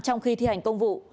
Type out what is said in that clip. trong khi thi hành công vụ